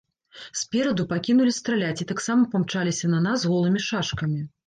Спераду пакінулі страляць і таксама памчаліся на нас з голымі шашкамі.